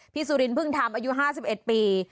พี่สุรินทร์เพิ่งทำอายุ๕๑ปี